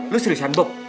lu seriusan bob